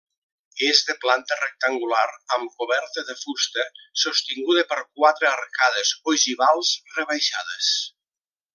És de planta rectangular amb coberta de fusta sostinguda per quatre arcades ogivals rebaixades.